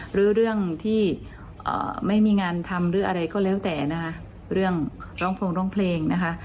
หรือเรื่องที่ไม่มีงานทำหรืออะไรก็แล้วแต่นะคะเรื่องร้องพงร้องเพลงนะคะ